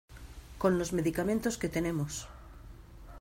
con los medicamentos que tenemos